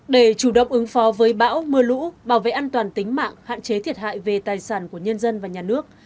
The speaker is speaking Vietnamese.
để chủ động ứng phó với bão mưa lũ bảo vệ an toàn tính mạng hạn chế thiệt hại về tài sản của nhân dân và nhà nước